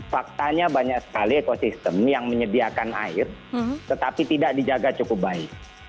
faktanya banyak sekali ekosistem yang menyediakan air tetapi tidak dijaga cukup baik